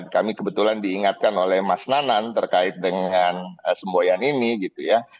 kami kebetulan diingatkan oleh mas nanan terkait dengan semboyan ini gitu ya